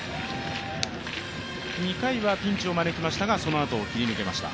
２回はピンチになりましたがそのあと切り抜けました。